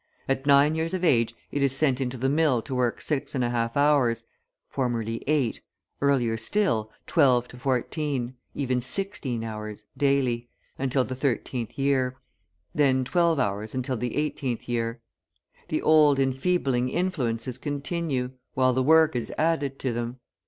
At nine years of age it is sent into the mill to work 6.5 hours (formerly 8, earlier still, 12 to 14, even 16 hours) daily, until the thirteenth year; then twelve hours until the eighteenth year. The old enfeebling influences continue, while the work is added to them.